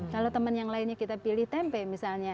kalau temen yang lainnya kita pilih tempe misalnya